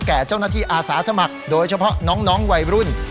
แก่เจ้าหน้าที่อาสาสมัครโดยเฉพาะน้องวัยรุ่น